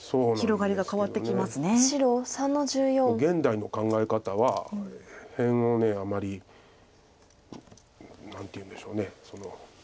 現代の考え方は辺をあまり何ていうんでしょう。